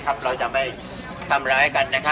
ก็ไม่มีใครกลับมาเมื่อเวลาอาทิตย์เกิดขึ้น